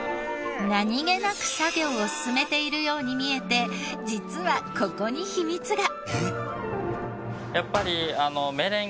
何げなく作業を進めているように見えて実はここに秘密が！